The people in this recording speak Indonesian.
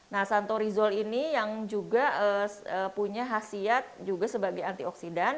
nah santorizol ini yang juga punya khasiat juga sebagai antioksidan